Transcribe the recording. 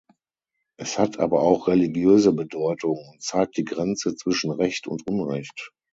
Es hat aber auch religiöse Bedeutung und zeigt die Grenze zwischen Recht und Unrecht.